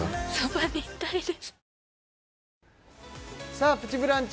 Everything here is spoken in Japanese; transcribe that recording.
さあ「プチブランチ」